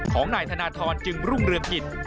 ของนายธนทรจึงรุ่งเรืองกิจ